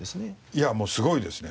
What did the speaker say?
いやもうすごいですね。